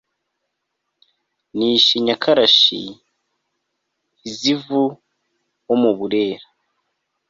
nishe nyakarashi i zivu wo mu burera